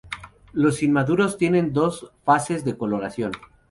Los inmaduros tienen dos fases de coloración.